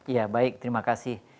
ya baik terima kasih